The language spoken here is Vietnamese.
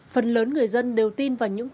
phần lớn người dân đều tin vào những quảng cáo